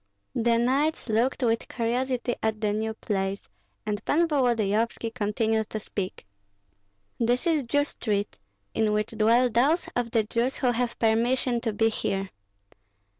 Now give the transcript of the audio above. The knights looked with curiosity at the new place, and Pan Volodyovski continued to speak, "This is Jew street, in which dwell those of the Jews who have permission to be here.